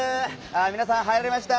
みなさん入られました！